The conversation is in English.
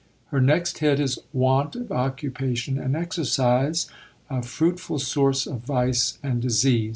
Her next head is "Want of Occupation and Exercise" a fruitful source of vice and disease.